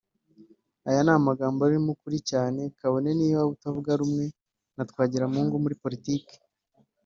Aya ni amagambo arimo ukuri cyane kabone niyo waba utavuga rumwe na Twagiramungu muri politike